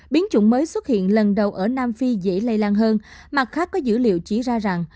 biến chủng mới xuất hiện lần đầu ở nam phi dễ lây lan hơn mặt khác có dữ liệu chỉ ra rằng